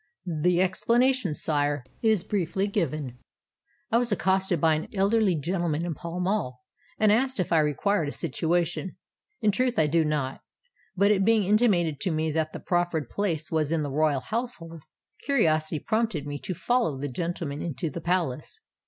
"The explanation, sire, is briefly given:—I was accosted by an elderly gentleman in Pall Mall, and asked if I required a situation. In truth I do not; but it being intimated to me that the proffered place was in the royal household, curiosity prompted me to follow the gentleman into the palace.